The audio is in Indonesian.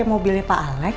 ini mobilnya pak alex